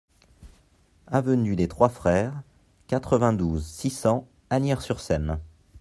Avenue des Trois Frères, quatre-vingt-douze, six cents Asnières-sur-Seine